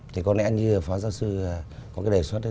thì có lẽ như phó giáo sư có cái đề xuất